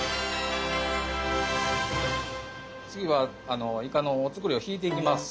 次はイカのお造りを引いていきます。